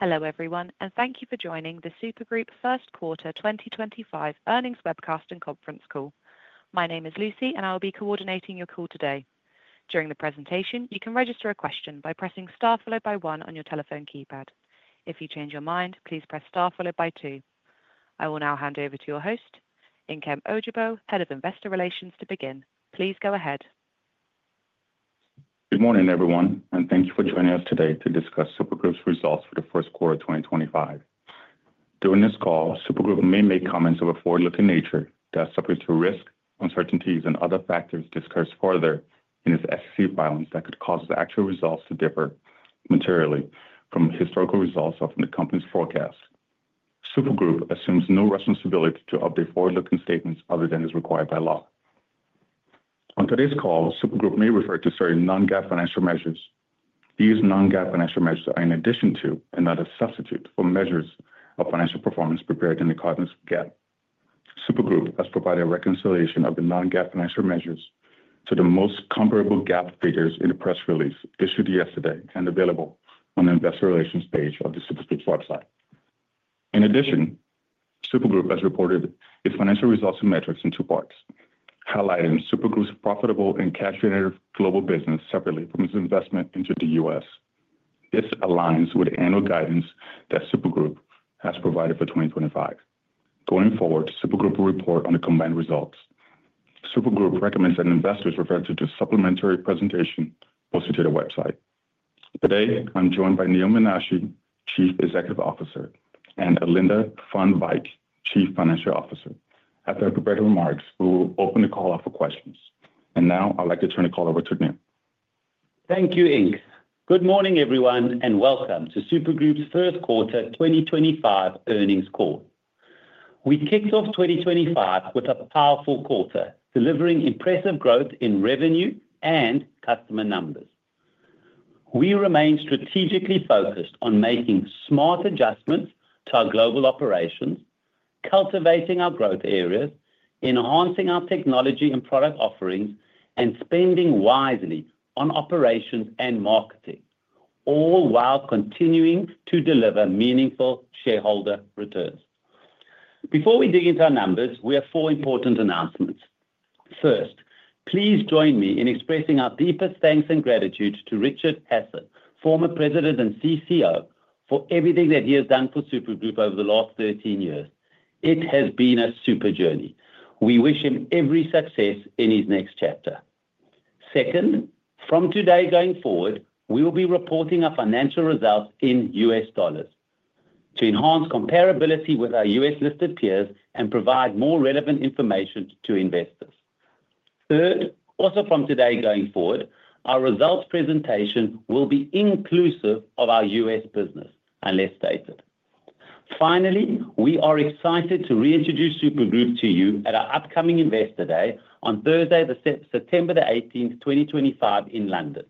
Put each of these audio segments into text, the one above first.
Hello everyone, and thank you for joining the Super Group First Quarter 2025 earnings webcast and conference call. My name is Lucy, and I will be coordinating your call today. During the presentation, you can register a question by pressing star followed by one on your telephone keypad. If you change your mind, please press star followed by two. I will now hand over to your host, Nkem Ojougboh, Head of Investor Relations, to begin. Please go ahead. Good morning, everyone, and thank you for joining us today to discuss Super Group's results for the first quarter of 2025. During this call, Super Group may make comments of a forward-looking nature that's subject to risk, uncertainties, and other factors discussed further in its SEC filings that could cause its actual results to differ materially from historical results or from the company's forecast. Super Group assumes no responsibility to update forward-looking statements other than as required by law. On today's call, Super Group may refer to certain non-GAAP financial measures. These non-GAAP financial measures are in addition to, and not a substitute for, measures of financial performance prepared in accordance with GAAP. Super Group has provided a reconciliation of the non-GAAP financial measures to the most comparable GAAP figures in a press release issued yesterday and available on the Investor Relations page of Super Group's website. In addition, Super Group has reported its financial results and metrics in two parts, highlighting Super Group's profitable and cash-generative global business separately from its investment into the U.S. This aligns with the annual guidance that Super Group has provided for 2025. Going forward, Super Group will report on the combined results. Super Group recommends that investors refer to the supplementary presentation posted to their website. Today, I'm joined by Neal Menashe, Chief Executive Officer, and Alinda Van Wyk, Chief Financial Officer. After I prepare the remarks, we will open the call up for questions. I would like to turn the call over to Neal. Thank you, Nkem. Good morning, everyone, and welcome to Super Group's first quarter 2025 earnings call. We kicked off 2025 with a powerful quarter, delivering impressive growth in revenue and customer numbers. We remain strategically focused on making smart adjustments to our global operations, cultivating our growth areas, enhancing our technology and product offerings, and spending wisely on operations and marketing, all while continuing to deliver meaningful shareholder returns. Before we dig into our numbers, we have four important announcements. First, please join me in expressing our deepest thanks and gratitude to Richard Hasson, former President and CCO, for everything that he has done for Super Group over the last 13 years. It has been a super journey. We wish him every success in his next chapter. Second, from today going forward, we will be reporting our financial results in U.S. dollars to enhance comparability with our U.S.-listed peers and provide more relevant information to investors. Third, also from today going forward, our results presentation will be inclusive of our U.S. business, and less stated. Finally, we are excited to reintroduce Super Group to you at our upcoming Investor Day on Thursday, September the 18th, 2025, in London,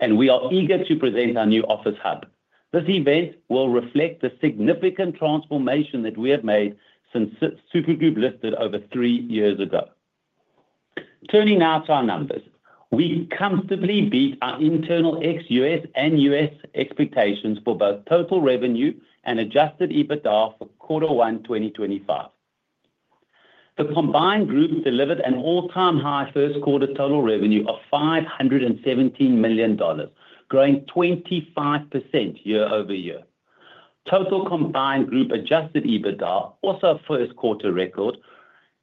and we are eager to present our new office hub. This event will reflect the significant transformation that we have made since Super Group listed over three years ago. Turning now to our numbers, we comfortably beat our internal ex-U.S. and U.S. expectations for both total revenue and adjusted EBITDA for quarter one 2025. The combined group delivered an all-time high first quarter total revenue of $517 million, growing 25% year-over-year. Total combined group adjusted EBITDA, also a first quarter record,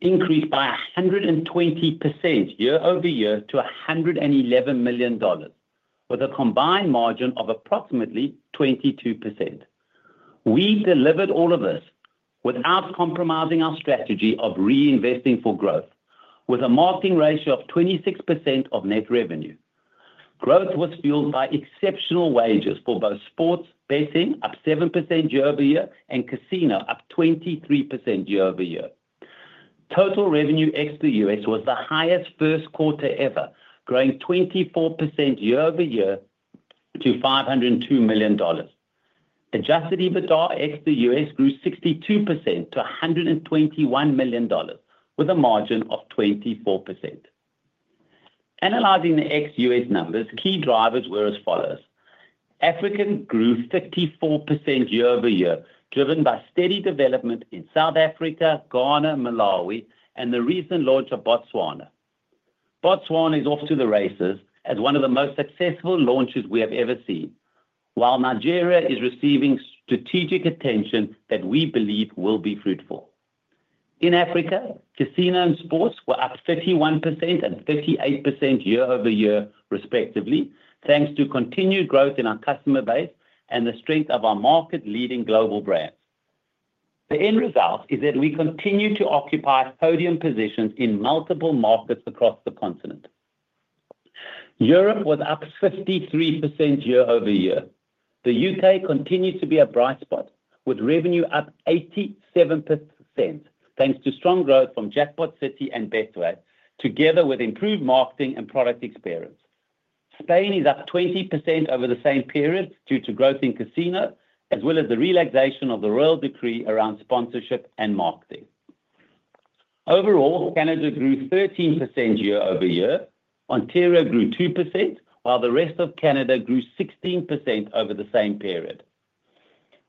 increased by 120% year-over-year to $111 million, with a combined margin of approximately 22%. We delivered all of this without compromising our strategy of reinvesting for growth, with a marketing ratio of 26% of net revenue. Growth was fueled by exceptional wagers for both sports, betting up 7% year-over-year, and casino up 23% year-over-year. Total revenue ex the U.S. was the highest first quarter ever, growing 24% year-over-year to $502 million. Adjusted EBITDA ex the U.S. grew 62% to $121 million, with a margin of 24%. Analyzing the ex-U.S. numbers, key drivers were as follows. Africa grew 54% year-over-year, driven by steady development in South Africa, Ghana, Malawi, and the recent launch of Botswana. Botswana is off to the races as one of the most successful launches we have ever seen, while Nigeria is receiving strategic attention that we believe will be fruitful. In Africa, casino and sports were up 31% and 38% year-over-year, respectively, thanks to continued growth in our customer base and the strength of our market-leading global brands. The end result is that we continue to occupy podium positions in multiple markets across the continent. Europe was up 53% year-over-year. The U.K. continued to be a bright spot, with revenue up 87%, thanks to strong growth from Jackpot City and Betway, together with improved marketing and product experience. Spain is up 20% over the same period due to growth in casino, as well as the relaxation of the Royal Decree around sponsorship and marketing. Overall, Canada grew 13% year-over-year. Ontario grew 2%, while the rest of Canada grew 16% over the same period.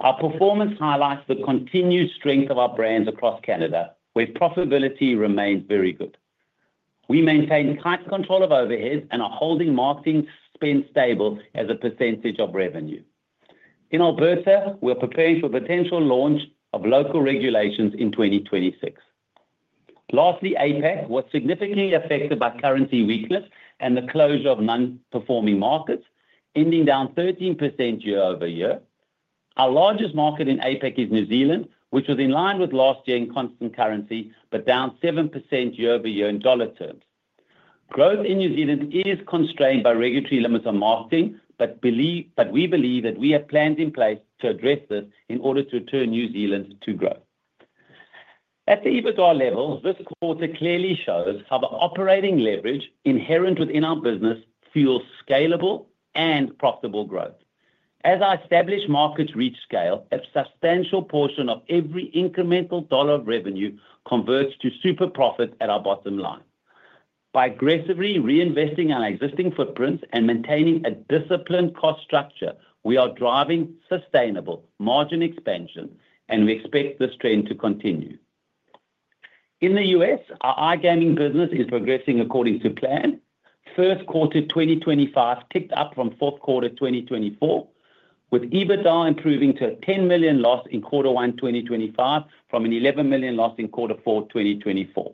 Our performance highlights the continued strength of our brands across Canada, where profitability remains very good. We maintain tight control of overheads and are holding marketing spend stable as a percentage of revenue. In Alberta, we are preparing for a potential launch of local regulations in 2026. Lastly, APAC was significantly affected by currency weakness and the closure of non-performing markets, ending down 13% year-over-year. Our largest market in APAC is New Zealand, which was in line with last year in constant currency, but down 7% year over year in dollar terms. Growth in New Zealand is constrained by regulatory limits on marketing, but we believe that we have plans in place to address this in order to return New Zealand to growth. At the EBITDA levels, this quarter clearly shows how the operating leverage inherent within our business fuels scalable and profitable growth. As our established markets reach scale, a substantial portion of every incremental dollar of revenue converts to super profits at our bottom line. By aggressively reinvesting our existing footprints and maintaining a disciplined cost structure, we are driving sustainable margin expansion, and we expect this trend to continue. In the U.S., our iGaming business is progressing according to plan. First quarter 2025 ticked up from fourth quarter 2024, with EBITDA improving to a $10 million loss in quarter one 2025 from an $11 million loss in quarter four 2024.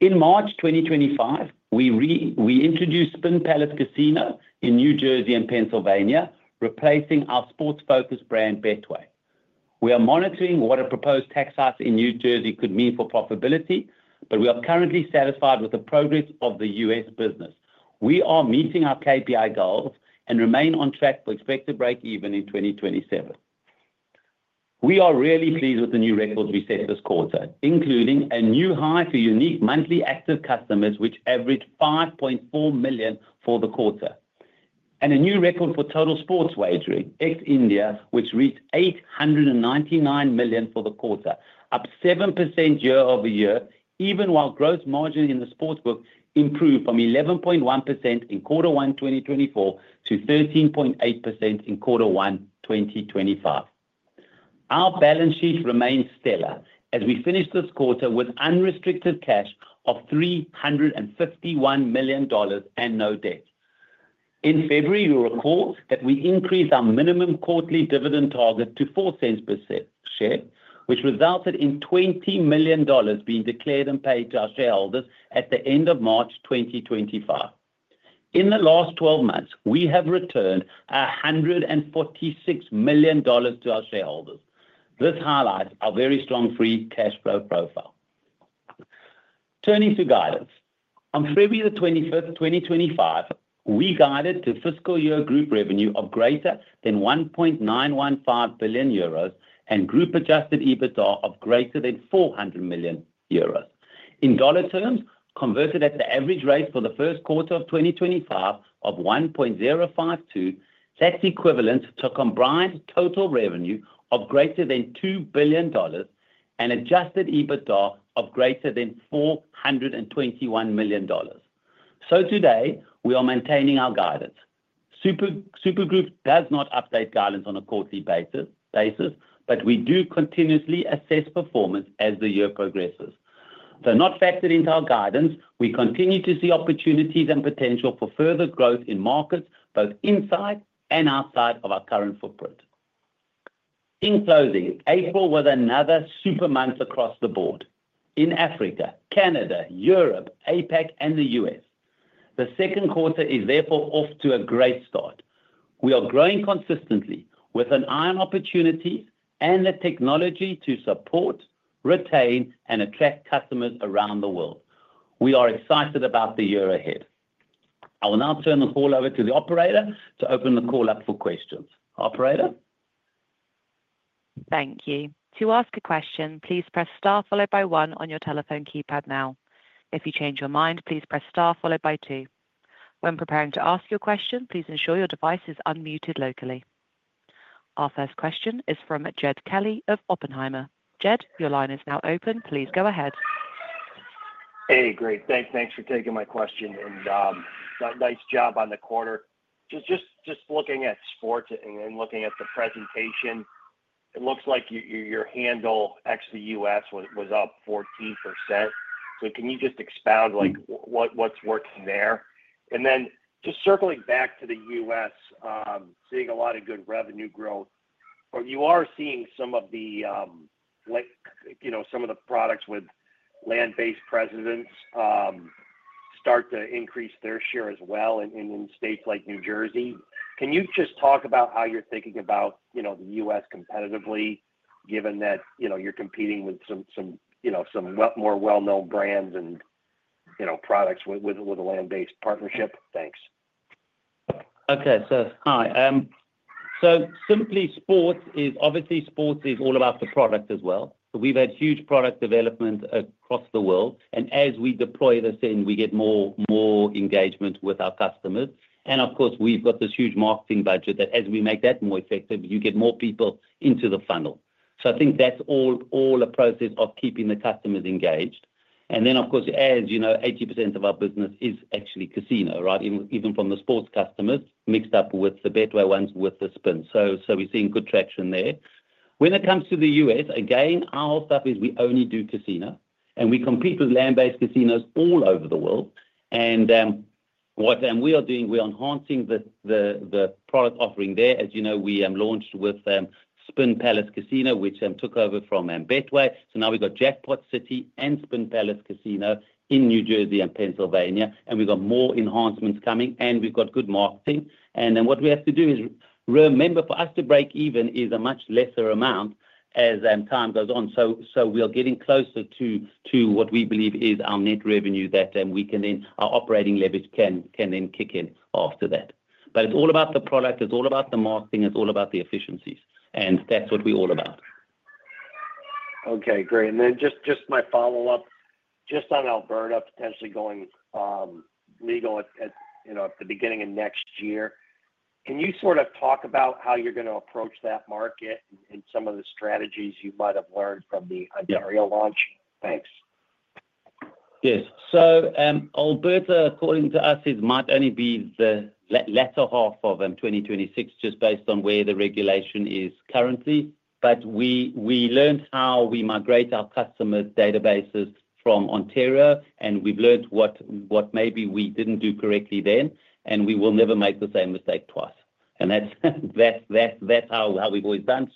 In March 2025, we reintroduced Spin Palace Casino in New Jersey and Pennsylvania, replacing our sports-focused brand Betway. We are monitoring what a proposed tax hike in New Jersey could mean for profitability, but we are currently satisfied with the progress of the U.S. business. We are meeting our KPI goals and remain on track for expected break-even in 2027. We are really pleased with the new records we set this quarter, including a new high for unique monthly active customers, which averaged 5.4 million for the quarter, and a new record for total sports wagering ex India, which reached $899 million for the quarter, up 7% year-over-year, even while gross margin in the Sportsbook improved from 11.1% in quarter one 2024 to 13.8% in quarter one 2025. Our balance sheet remains stellar as we finished this quarter with unrestricted cash of $351 million and no debt. In February, we were called that we increased our minimum quarterly dividend target to $0.04 per share, which resulted in $20 million being declared and paid to our shareholders at the end of March 2025. In the last 12 months, we have returned $146 million to our shareholders. This highlights our very strong free cash flow profile. Turning to guidance, on February 25, 2025, we guided to fiscal year group revenue of greater than 1.915 billion euros and group adjusted EBITDA of greater than 400 million euros. In dollar terms, converted at the average rate for the first quarter of 2025 of 1.052, that is equivalent to a combined total revenue of greater than $2 billion and adjusted EBITDA of greater than $421 million. Today, we are maintaining our guidance. Super Group does not update guidance on a quarterly basis, but we do continuously assess performance as the year progresses. Though not factored into our guidance, we continue to see opportunities and potential for further growth in markets, both inside and outside of our current footprint. In closing, April was another super month across the board in Africa, Canada, Europe, APAC, and the U.S. The second quarter is therefore off to a great start. We are growing consistently with an eye on opportunities and the technology to support, retain, and attract customers around the world. We are excited about the year ahead. I will now turn the call over to the operator to open the call up for questions. Operator. Thank you. To ask a question, please press star followed by one on your telephone keypad now. If you change your mind, please press star followed by two. When preparing to ask your question, please ensure your device is unmuted locally. Our first question is from Jed Kelly of Oppenheimer. Jed, your line is now open. Please go ahead. Hey, great. Thanks for taking my question. And nice job on the quarter. Just looking at sports and looking at the presentation, it looks like your handle ex the U.S. was up 14%. Can you just expound what's working there? And then just circling back to the U.S., seeing a lot of good revenue growth, but you are seeing some of the products with land-based presence start to increase their share as well in states like New Jersey. Can you just talk about how you're thinking about the U.S. competitively, given that you're competing with some more well-known brands and products with a land-based partnership? Thanks. Okay. Hi. Simply, sports is obviously sports is all about the product as well. We have had huge product development across the world. As we deploy this in, we get more engagement with our customers. Of course, we have this huge marketing budget that, as we make that more effective, you get more people into the funnel. I think that is all a process of keeping the customers engaged. Of course, as 80% of our business is actually casino, right? Even from the sports customers mixed up with the Betway ones with the Spence. We are seeing good traction there. When it comes to the U.S., again, our stuff is we only do casino, and we compete with land-based casinos all over the world. What we are doing, we are enhancing the product offering there. As you know, we launched with Spin Palace Casino, which took over from Betway. Now we've got Jackpot City and Spin Palace Casino in New Jersey and Pennsylvania. We've got more enhancements coming, and we've got good marketing. What we have to do is remember for us to break even is a much lesser amount as time goes on. We're getting closer to what we believe is our net revenue that we can then our operating leverage can then kick in after that. It's all about the product. It's all about the marketing. It's all about the efficiencies. That's what we're all about. Okay. Great. Just my follow-up, just on Alberta potentially going legal at the beginning of next year, can you sort of talk about how you're going to approach that market and some of the strategies you might have learned from the Ontario launch? Thanks. Yes. Alberta, according to us, might only be the latter half of 2026, just based on where the regulation is currently. We learned how we migrate our customer databases from Ontario, and we've learned what maybe we didn't do correctly then, and we will never make the same mistake twice. That's how we've always done.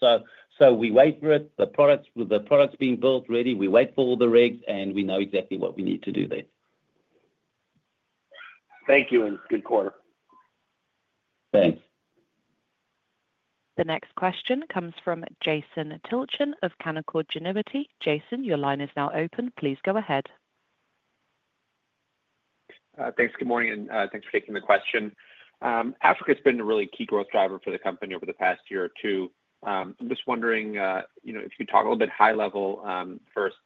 We wait for it, the products being built ready, we wait for all the regs, and we know exactly what we need to do there. Thank you. And good quarter. Thanks. The next question comes from Jason Tilchen of Canaccord Genuity. Jason, your line is now open. Please go ahead. Thanks. Good morning. Thanks for taking the question. Africa has been a really key growth driver for the company over the past year or two. I'm just wondering if you could talk a little bit high level first,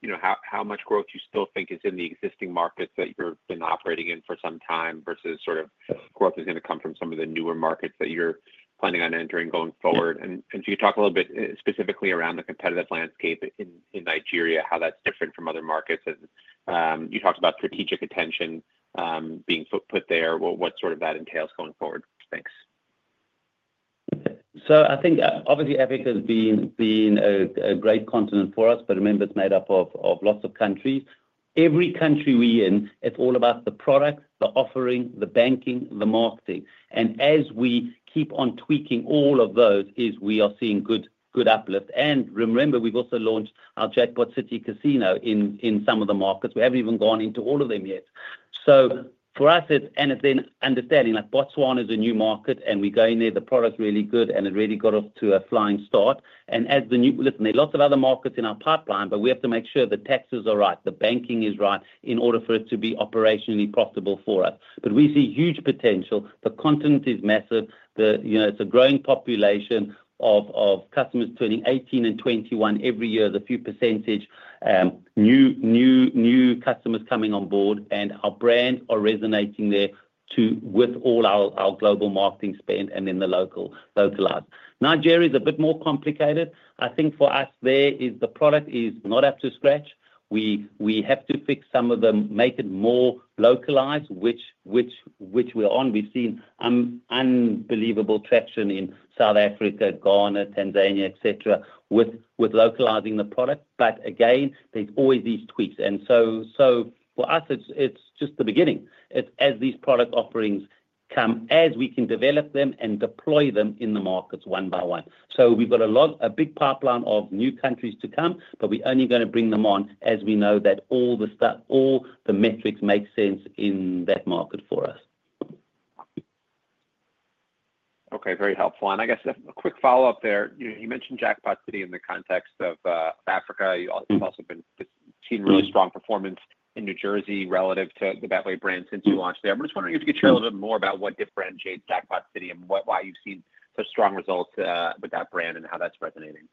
how much growth you still think is in the existing markets that you've been operating in for some time versus sort of growth is going to come from some of the newer markets that you're planning on entering going forward. If you could talk a little bit specifically around the competitive landscape in Nigeria, how that's different from other markets. You talked about strategic attention being put there. What sort of that entails going forward? Thanks. I think obviously Africa has been a great continent for us, but remember it's made up of lots of countries. Every country we're in, it's all about the product, the offering, the banking, the marketing. As we keep on tweaking all of those, we are seeing good uplift. Remember, we've also launched our Jackpot City Casino in some of the markets. We haven't even gone into all of them yet. For us, it's then understanding Botswana is a new market, and we go in there, the product's really good, and it really got us to a flying start. As the new, listen, there are lots of other markets in our pipeline, but we have to make sure the taxes are right, the banking is right in order for it to be operationally profitable for us. We see huge potential. The continent is massive. It's a growing population of customers turning 18 and 21 every year. There's a few % new customers coming on board, and our brands are resonating there with all our global marketing spend and then the localized. Nigeria is a bit more complicated. I think for us, the product is not up to scratch. We have to fix some of them, make it more localized, which we're on. We've seen unbelievable traction in South Africa, Ghana, Tanzania, etc., with localizing the product. There are always these tweaks. For us, it's just the beginning. As these product offerings come, as we can develop them and deploy them in the markets one by one. We've got a big pipeline of new countries to come, but we're only going to bring them on as we know that all the metrics make sense in that market for us. Okay. Very helpful. I guess a quick follow-up there. You mentioned Jackpot City in the context of Africa. You've also been seeing really strong performance in New Jersey relative to the Betway brand since you launched there. I'm just wondering if you could share a little bit more about what differentiates Jackpot City and why you've seen such strong results with that brand and how that's resonating.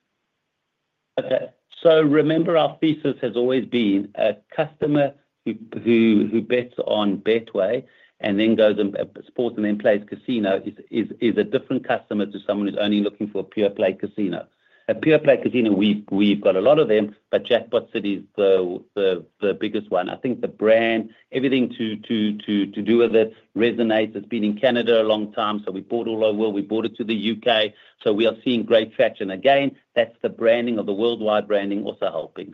Okay. Remember, our thesis has always been a customer who bets on Betway and then goes and sports and then plays casino is a different customer to someone who's only looking for a pure-play casino. A pure-play casino, we've got a lot of them, but Jackpot City is the biggest one. I think the brand, everything to do with it resonates. It's been in Canada a long time, so we bought all over the world. We brought it to the U.K. We are seeing great traction. Again, that's the branding, the worldwide branding also helping.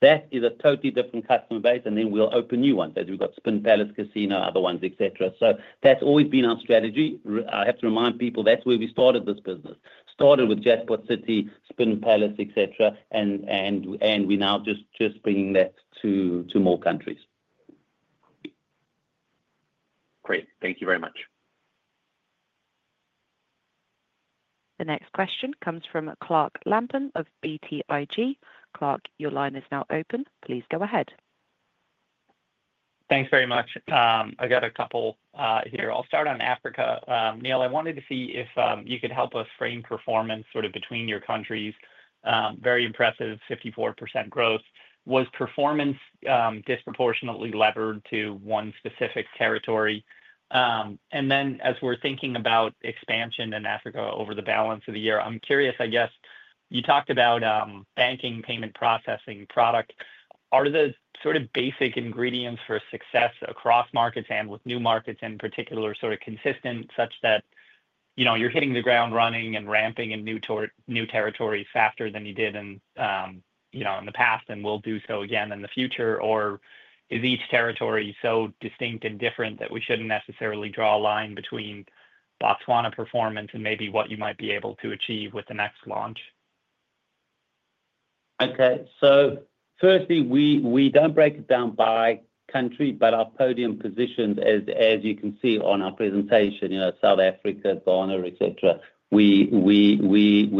That is a totally different customer base, and then we'll open new ones as we've got Spin Palace Casino, other ones, etc. That's always been our strategy. I have to remind people that's where we started this business. Started with Jackpot City, Spin Palace, etc., and we're now just bringing that to more countries. Great. Thank you very much. The next question comes from Clark Lampen of BTIG. Clark, your line is now open. Please go ahead. Thanks very much. I got a couple here. I'll start on Africa. Neal, I wanted to see if you could help us frame performance sort of between your countries. Very impressive 54% growth. Was performance disproportionately levered to one specific territory? As we're thinking about expansion in Africa over the balance of the year, I'm curious, I guess you talked about banking, payment processing, product. Are the sort of basic ingredients for success across markets and with new markets in particular sort of consistent such that you're hitting the ground running and ramping in new territories faster than you did in the past and will do so again in the future? Is each territory so distinct and different that we shouldn't necessarily draw a line between Botswana performance and maybe what you might be able to achieve with the next launch? Okay. Firstly, we do not break it down by country, but our podium positions, as you can see on our presentation, South Africa, Ghana, etc., we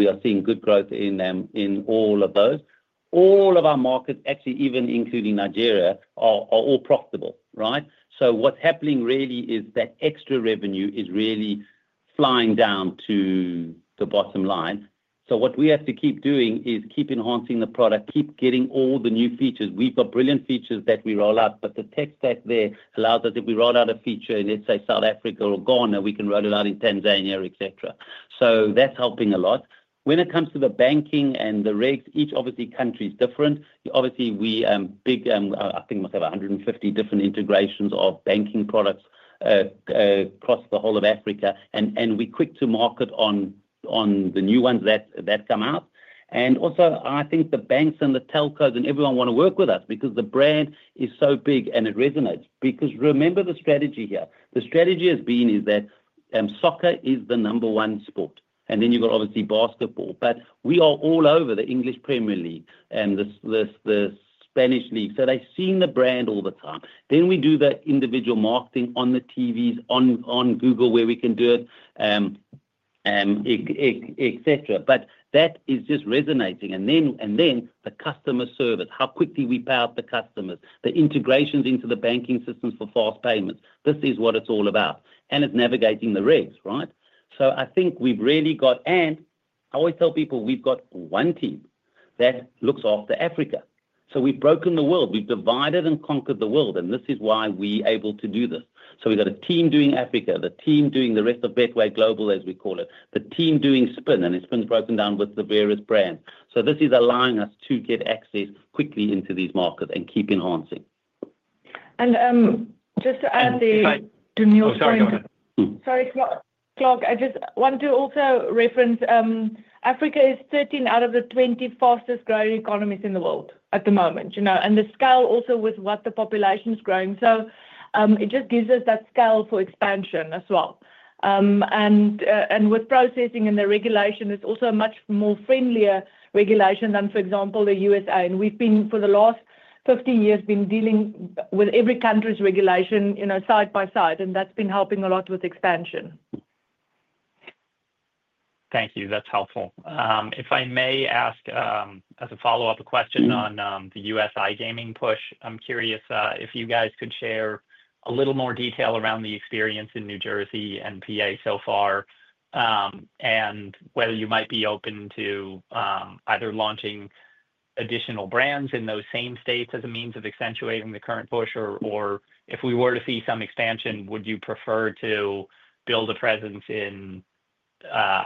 are seeing good growth in all of those. All of our markets, actually even including Nigeria, are all profitable, right? What is happening really is that extra revenue is really flying down to the bottom line. What we have to keep doing is keep enhancing the product, keep getting all the new features. We have got brilliant features that we roll out, but the tech stack there allows us if we roll out a feature in, let's say, South Africa or Ghana, we can roll it out in Tanzania, etc. That is helping a lot. When it comes to the banking and the regs, each obviously country is different. Obviously, we have big, I think we have 150 different integrations of banking products across the whole of Africa, and we're quick to market on the new ones that come out. I think the banks and the telcos and everyone want to work with us because the brand is so big and it resonates. Remember the strategy here. The strategy has been is that soccer is the number one sport. Then you've got obviously basketball, but we are all over the English Premier League and the Spanish League. They have seen the brand all the time. We do the individual marketing on the TVs, on Google where we can do it, etc. That is just resonating. The customer service, how quickly we power up the customers, the integrations into the banking systems for fast payments. This is what it's all about. It's navigating the regs, right? I think we've really got, and I always tell people, we've got one team that looks after Africa. We've broken the world. We've divided and conquered the world, and this is why we're able to do this. We've got a team doing Africa, the team doing the rest of Betway Global, as we call it, the team doing Spin, and Spin's broken down with the various brands. This is allowing us to get access quickly into these markets and keep enhancing. Just to add the. Sorry. Sorry, Clark. I just want to also reference Africa is 13 out of the 20 fastest-growing economies in the world at the moment. The scale also with what the population's growing. It just gives us that scale for expansion as well. With processing and the regulation, it's also a much more friendlier regulation than, for example, the U.S.A. We've been for the last 15 years been dealing with every country's regulation side by side, and that's been helping a lot with expansion. Thank you. That's helpful. If I may ask as a follow-up question on the US iGaming push, I'm curious if you guys could share a little more detail around the experience in New Jersey and Pennsylvania so far and whether you might be open to either launching additional brands in those same states as a means of accentuating the current push, or if we were to see some expansion, would you prefer to build a presence in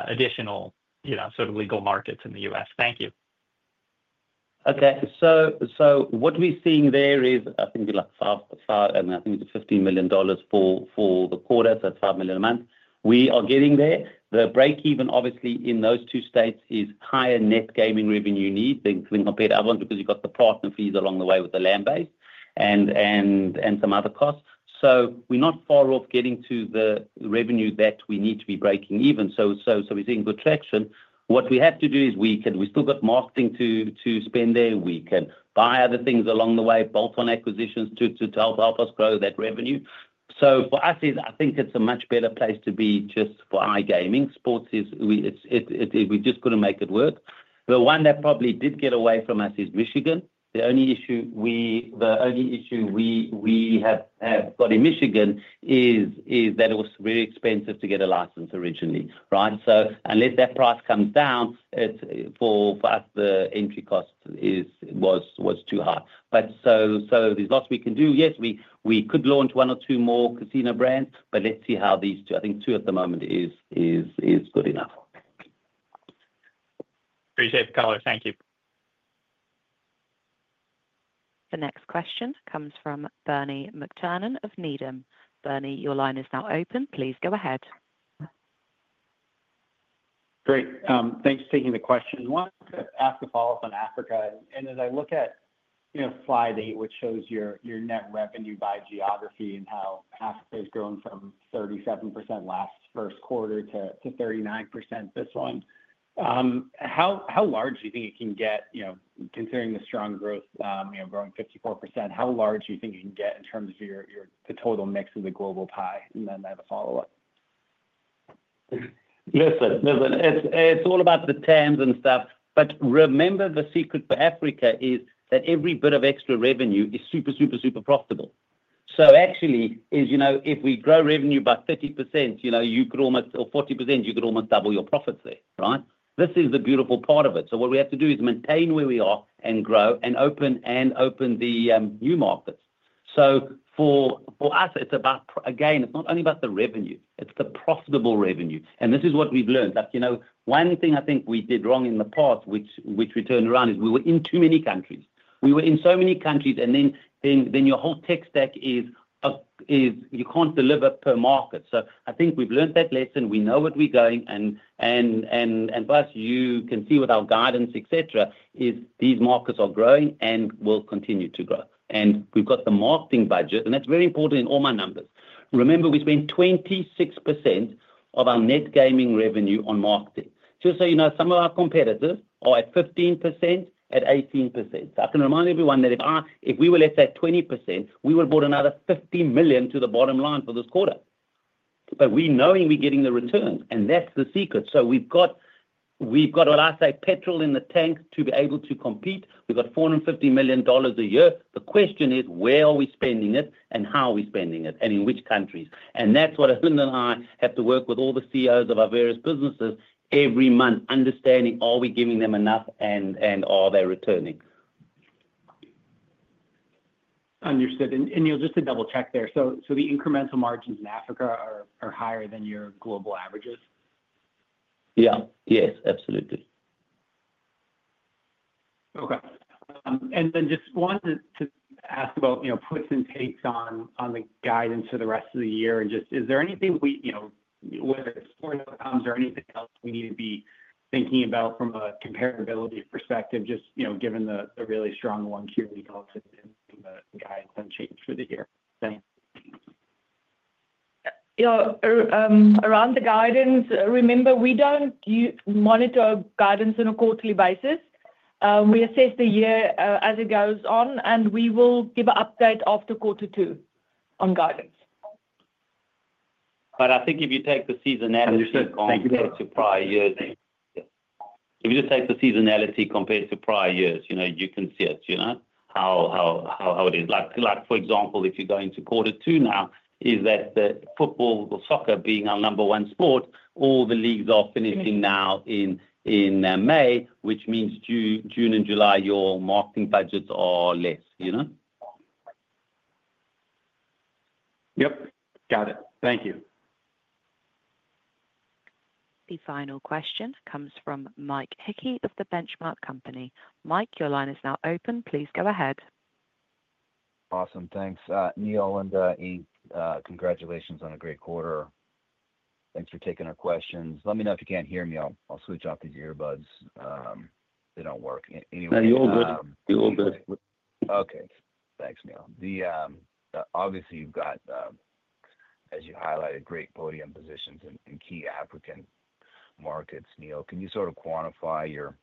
additional sort of legal markets in the U.S.? Thank you. Okay. So what we're seeing there is. I think we're like five, and I think it's $15 million for the quarter, so $5 million a month. We are getting there. The breakeven obviously in those two states is higher net gaming revenue need than compared to other ones because you've got the partner fees along the way with the land base and some other costs. We are not far off getting to the revenue that we need to be breaking even. We are seeing good traction. What we have to do is we still got marketing to spend there. We can buy other things along the way, bolt-on acquisitions to help us grow that revenue. For us, I think it's a much better place to be just for iGaming. Sports is we've just got to make it work. The one that probably did get away from us is Michigan. The only issue we have got in Michigan is that it was very expensive to get a license originally, right? Unless that price comes down, for us, the entry cost was too high. There is lots we can do. Yes, we could launch one or two more casino brands, but let's see how these two, I think two at the moment is good enough. Appreciate the color. Thank you. The next question comes from Bernie McTernan of Needham. Bernie, your line is now open. Please go ahead. Great. Thanks for taking the question. I wanted to ask a follow-up on Africa. As I look at slide 8, which shows your net revenue by geography and how Africa has grown from 37% last first quarter to 39% this one, how large do you think it can get considering the strong growth, growing 54%? How large do you think it can get in terms of the total mix of the global pie? I have a follow-up. Listen, listen, it's all about the terms and stuff. But remember, the secret to Africa is that every bit of extra revenue is super, super, super profitable. So actually, if we grow revenue by 30%, you could almost or 40%, you could almost double your profits there, right? This is the beautiful part of it. So what we have to do is maintain where we are and grow and open the new markets. So for us, it's about, again, it's not only about the revenue, it's the profitable revenue. And this is what we've learned. One thing I think we did wrong in the past, which we turned around, is we were in too many countries. We were in so many countries, and then your whole tech stack is you can't deliver per market. So I think we've learned that lesson. We know where we're going. For us, you can see with our guidance, etc., these markets are growing and will continue to grow. We have the marketing budget, and that is very important in all my numbers. Remember, we spend 26% of our net gaming revenue on marketing. Just so you know, some of our competitors are at 15%, at 18%. I can remind everyone that if we were left at 20%, we would have brought another $50 million to the bottom line for this quarter. We know we are getting the returns, and that is the secret. We have, what I say, petrol in the tank to be able to compete. We have $450 million a year. The question is, where are we spending it and how are we spending it and in which countries? That is what Alinda and I have to work with all the CEOs of our various businesses every month, understanding, are we giving them enough and are they returning? Understood. Neal, just to double-check there, so the incremental margins in Africa are higher than your global averages? Yeah. Yes, absolutely. Okay. I just wanted to ask about puts and takes on the guidance for the rest of the year. Is there anything, whether it is sporting outcomes or anything else, we need to be thinking about from a comparability perspective, just given the really strong one Q we got and the guidance unchanged for the year? Thanks. Around the guidance, remember, we do not monitor guidance on a quarterly basis. We assess the year as it goes on, and we will give an update after quarter two on guidance. I think if you take the seasonality compared to prior years, if you just take the seasonality compared to prior years, you can see it, how it is. For example, if you go into quarter two now, is that football or soccer being our number one sport, all the leagues are finishing now in May, which means June and July, your marketing budgets are less. Yep. Got it. Thank you. The final question comes from Mike Hickey of the Benchmark Company. Mike, your line is now open. Please go ahead. Awesome. Thanks. Neal and Eaves, congratulations on a great quarter. Thanks for taking our questions. Let me know if you can't hear me. I'll switch off these earbuds. They don't work. Anyway. No, you're all good. You're all good. Okay. Thanks, Neal. Obviously, you've got, as you highlighted, great podium positions in key African markets. Neal, can you sort of quantify your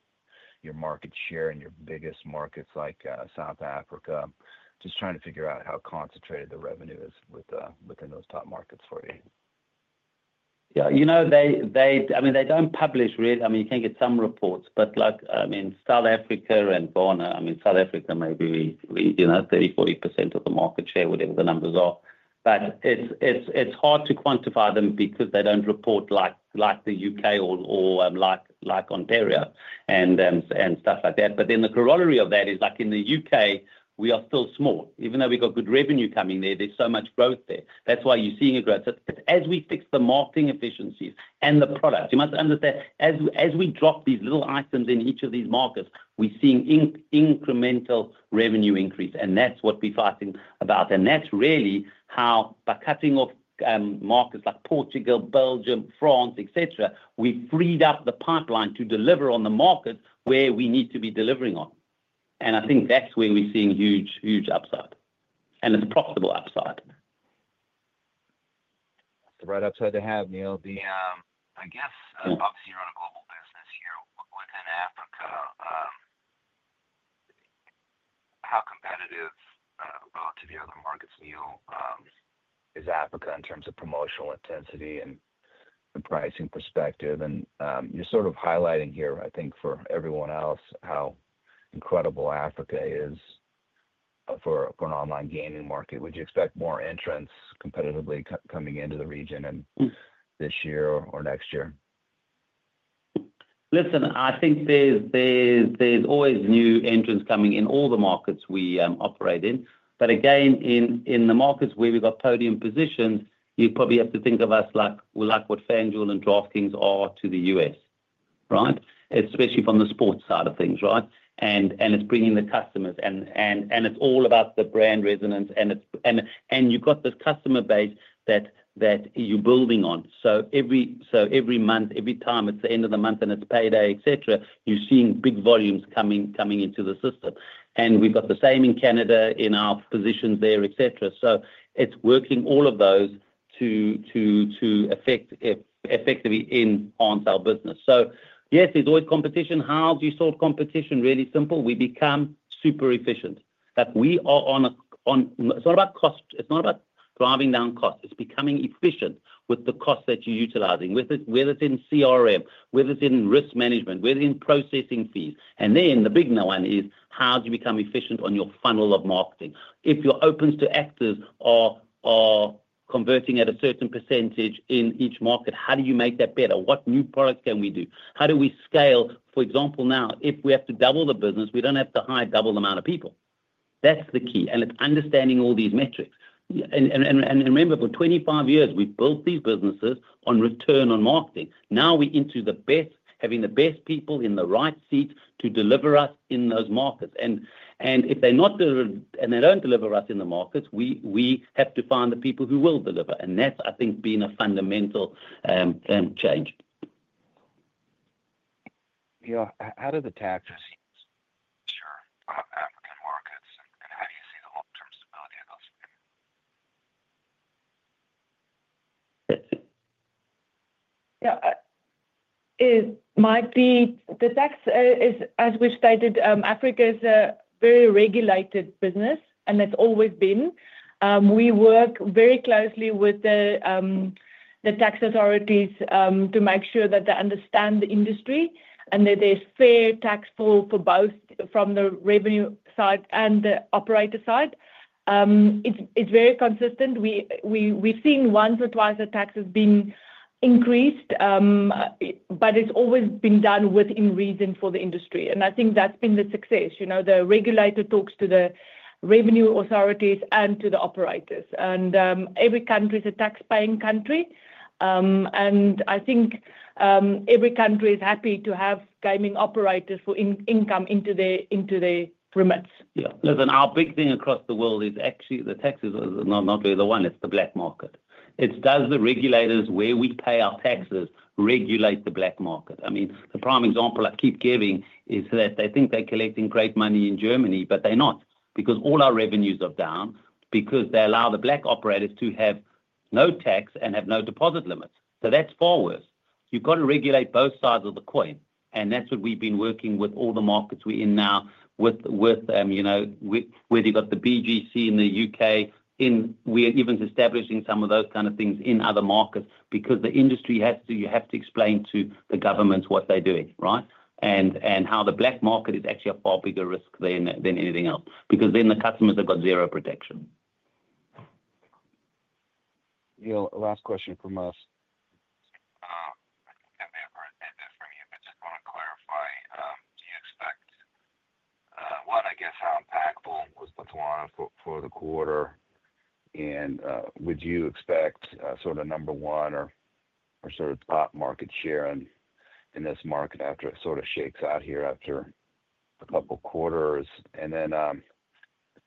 market share in your biggest markets like South Africa? Just trying to figure out how concentrated the revenue is within those top markets for you. Yeah. I mean, they do not publish really. I mean, you can get some reports, but I mean, South Africa and Ghana, I mean, South Africa maybe 30%-40% of the market share, whatever the numbers are. It is hard to quantify them because they do not report like the U.K. or like Ontario and stuff like that. The corollary of that is in the U.K., we are still small. Even though we have got good revenue coming there, there is so much growth there. That is why you are seeing a growth. As we fix the marketing efficiencies and the products, you must understand, as we drop these little items in each of these markets, we are seeing incremental revenue increase. That is what we are fighting about. That is really how, by cutting off markets like Portugal, Belgium, France, etc., we have freed up the pipeline to deliver on the markets where we need to be delivering on. I think that is where we are seeing huge upside. It is profitable upside. That's the right upside to have, Neal. I guess, obviously, you're on a global business here within Africa. How competitive relative to the other markets, Neal, is Africa in terms of promotional intensity and pricing perspective? You're sort of highlighting here, I think, for everyone else how incredible Africa is for an online gaming market. Would you expect more entrants competitively coming into the region this year or next year? Listen, I think there's always new entrants coming in all the markets we operate in. Again, in the markets where we've got podium positions, you probably have to think of us like what FanDuel and DraftKings are to the U.S., right? Especially from the sports side of things, right? It's bringing the customers. It's all about the brand resonance. You've got this customer base that you're building on. Every month, every time it's the end of the month and it's payday, etc., you're seeing big volumes coming into the system. We've got the same in Canada in our positions there, etc. It's working all of those to effectively enhance our business. Yes, there's always competition. How do you solve competition? Really simple. We become super efficient. We are on a it's not about cost. It's not about driving down cost. It's becoming efficient with the costs that you're utilizing, whether it's in CRM, whether it's in risk management, whether it's in processing fees. The big one is, how do you become efficient on your funnel of marketing? If your opens to actors are converting at a certain percentage in each market, how do you make that better? What new products can we do? How do we scale? For example, now, if we have to double the business, we don't have to hire double the amount of people. That's the key. It's understanding all these metrics. Remember, for 25 years, we've built these businesses on return on marketing. Now we're into having the best people in the right seats to deliver us in those markets. If they're not delivering and they don't deliver us in the markets, we have to find the people who will deliver. I think that's been a fundamental change. Neal, how do the taxes work? Sure. African markets? How do you see the long-term stability of those? Yeah. The tax, as we've stated, Africa is a very regulated business, and it's always been. We work very closely with the tax authorities to make sure that they understand the industry and that there's fair tax for both from the revenue side and the operator side. It's very consistent. We've seen once or twice the taxes being increased, but it's always been done within reason for the industry. I think that's been the success. The regulator talks to the revenue authorities and to the operators. Every country is a tax-paying country. I think every country is happy to have gaming operators for income into their remits. Yeah. Listen, our big thing across the world is actually the taxes are not really the one. It's the black market. It's does the regulators where we pay our taxes regulate the black market. I mean, the prime example I keep giving is that they think they're collecting great money in Germany, but they're not because all our revenues are down because they allow the black operators to have no tax and have no deposit limits. That's forwards. You've got to regulate both sides of the coin. That's what we've been working with all the markets we're in now, with where you've got the BGC in the U.K. We're even establishing some of those kind of things in other markets because the industry has to you have to explain to the governments what they're doing, right? The black market is actually a far bigger risk than anything else because then the customers have got zero protection. Neal, last question from us. I think I may have heard that from you, but just want to clarify. Do you expect, one, I guess, how impactful was Botswana for the quarter? Would you expect sort of number one or sort of top market share in this market after it sort of shakes out here after a couple of quarters? I am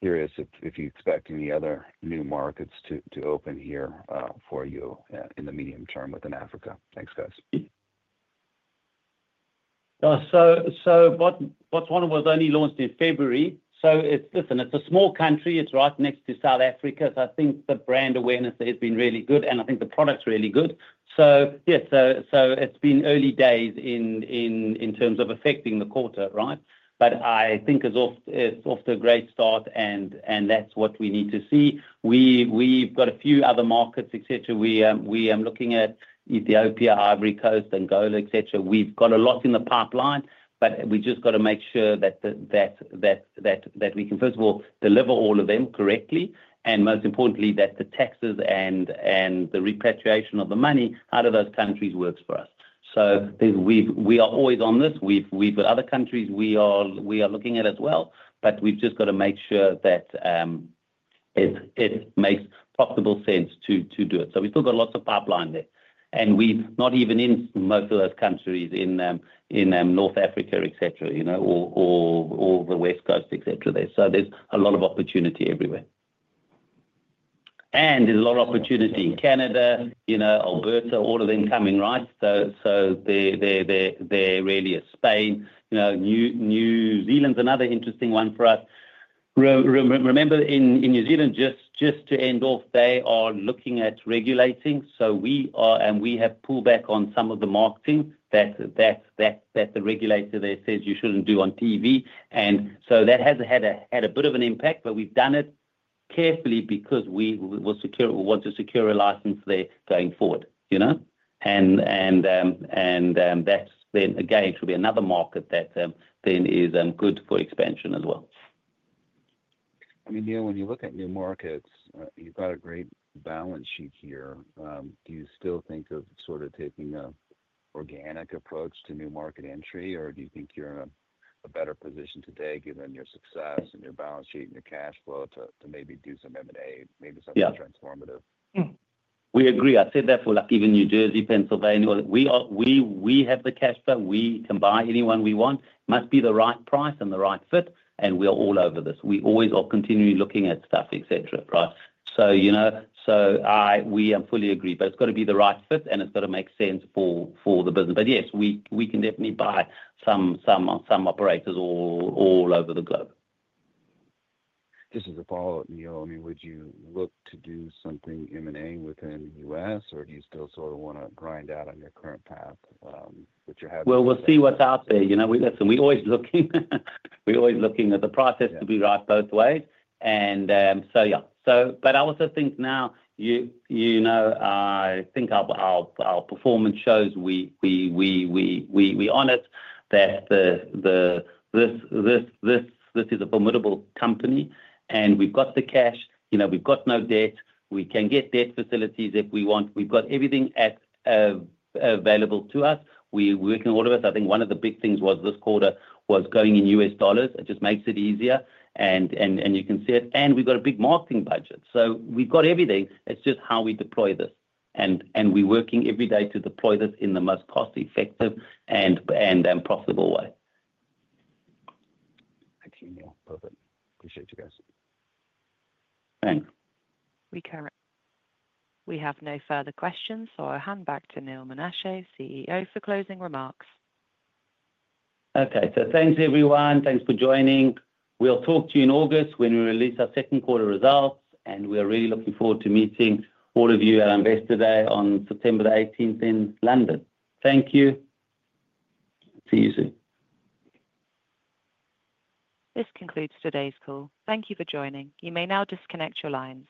curious if you expect any other new markets to open here for you in the medium term within Africa. Thanks, guys. Botswana was only launched in February. Listen, it's a small country. It's right next to South Africa. I think the brand awareness has been really good. I think the product's really good. Yeah, it's been early days in terms of affecting the quarter, right? I think it's off to a great start, and that's what we need to see. We've got a few other markets, etc. We are looking at Ethiopia, Ivory Coast, Angola, etc. We've got a lot in the pipeline, but we've just got to make sure that we can, first of all, deliver all of them correctly. Most importantly, the taxes and the repatriation of the money out of those countries has to work for us. We are always on this. With other countries, we are looking at it as well. We have just got to make sure that it makes profitable sense to do it. We have still got lots of pipeline there. We are not even in most of those countries in North Africa, etc., or the West Coast, etc. There is a lot of opportunity everywhere. There is a lot of opportunity in Canada, Alberta, all of them coming, right? There really is Spain. New Zealand is another interesting one for us. Remember, in New Zealand, just to end off, they are looking at regulating. We have pulled back on some of the marketing that the regulator there says you should not do on TV. That has had a bit of an impact, but we have done it carefully because we want to secure a license there going forward. That is then, again, it should be another market that then is good for expansion as well. I mean, Neal, when you look at new markets, you've got a great balance sheet here. Do you still think of sort of taking an organic approach to new market entry, or do you think you're in a better position today, given your success and your balance sheet and your cash flow, to maybe do some M&A, maybe something transformative? Yeah. We agree. I say that for even New Jersey, Pennsylvania. We have the cash flow. We can buy anyone we want. It must be the right price and the right fit. We are all over this. We always are continually looking at stuff, etc., right? We fully agree. It has to be the right fit, and it has to make sense for the business. Yes, we can definitely buy some operators all over the globe. Just as a follow-up, Neal, I mean, would you look to do something M&A within the U.S., or do you still sort of want to grind out on your current path, which you have? We will see what is out there. Listen, we are always looking. We are always looking at the process to be right both ways. Yeah. I also think now, I think our performance shows, we are honest that this is a formidable company. We have the cash. We have no debt. We can get debt facilities if we want. We have everything available to us. We are working all of it. I think one of the big things this quarter was going in US dollars. It just makes it easier. You can see it. We have a big marketing budget. We have everything. It is just how we deploy this. We are working every day to deploy this in the most cost-effective and profitable way. Thank you, Neal. Perfect. Appreciate you guys. Thanks. We have no further questions, so I'll hand back to Neal Menashe, CEO, for closing remarks. Okay. Thanks, everyone. Thanks for joining. We'll talk to you in August when we release our second quarter results. We are really looking forward to meeting all of you at Investor Day on September 18 in London. Thank you. See you soon. This concludes today's call. Thank you for joining. You may now disconnect your lines.